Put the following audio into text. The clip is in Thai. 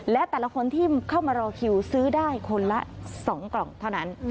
และแต่ละคนที่เข้ามารอคิวซื้อได้คนละ๒กล่องเท่านั้น